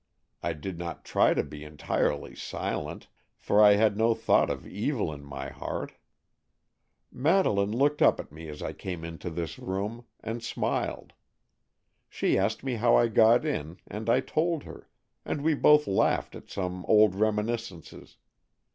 I did not try to be entirely silent, for I had no thought of evil in my heart. Madeleine looked up as I came into this room, and smiled. She asked me how I got in, and I told her, and we both laughed at some old reminiscences.